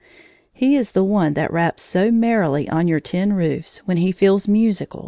He is the one that raps so merrily on your tin roofs when he feels musical.